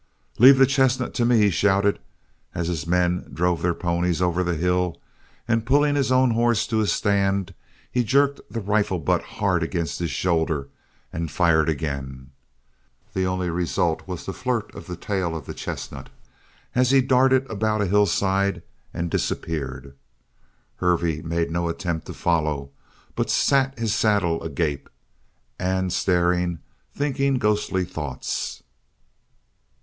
"Leave the chestnut to me!" he shouted as his men drove their ponies over the hill, and pulling his own horse to a stand he jerked the rifle butt hard against his shoulder and fired again; the only result was a flirt of the tail of the chestnut as he darted about a hillside and disappeared. Hervey made no attempt to follow but sat his saddle agape and staring, thinking ghostly thoughts.